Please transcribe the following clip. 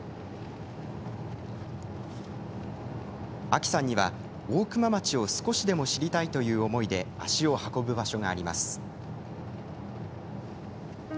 亜紀さんには、大熊町を少しでも知りたいという思いで足を運ぶ場所があります。